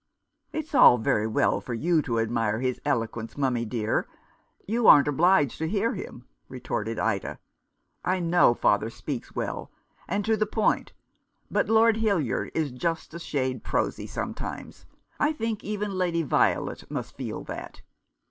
" It's all very well for you to admire his elo quence, mummy dear. You ain't obliged to hear him," retorted Ida. " I know father speaks well, and to the point ; but Lord Hildyard is just a shade prosy sometimes. I think even Lady Violet must feel that."